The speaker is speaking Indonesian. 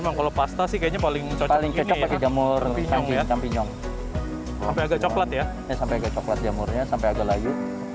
memang kalau pasta sih kayaknya paling cocok ini ya campignon sampai agak coklat ya sampai agak coklat jamurnya sampai agak layu